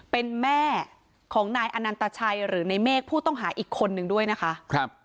เป็นแม่ของนายอนันตชัยหรือในเมฆผู้ต้องหาอีกคนนึงด้วยนะคะครับ